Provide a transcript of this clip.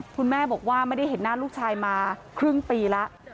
คุณแม่บอกว่าไม่ได้เห็นหน้าลูกชายมาครึ่งปีแล้ว